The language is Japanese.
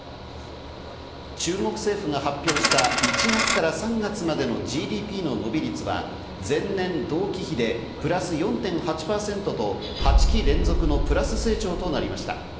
中国政府が発表した１月から３月までのＧＤＰの伸び率は前年同期比でプラス４．８％と８期連続のプラス成長となりました。